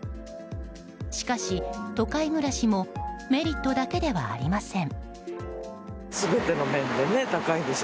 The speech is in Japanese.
しかし、都会暮らしもメリットだけではありません。